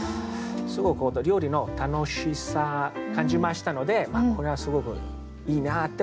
すごく本当料理の楽しさ感じましたのでこれはすごくいいなって思いました。